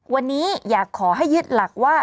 วันนี้อยากขอให้ยึดหลักว่า